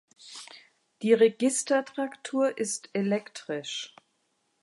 Die Registertraktur ist elektrisch.